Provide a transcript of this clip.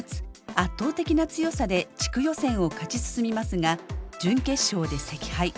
圧倒的な強さで地区予選を勝ち進みますが準決勝で惜敗。